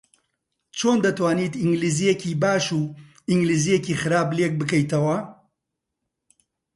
چۆن دەتوانیت ئینگلیزییەکی باش و ئینگلیزییەکی خراپ لێک بکەیتەوە؟